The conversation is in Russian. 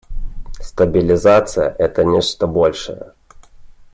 Стабилизация — это нечто большее.